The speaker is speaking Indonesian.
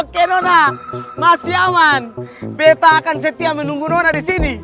oke nona masih aman beta akan setia menunggu nona di sini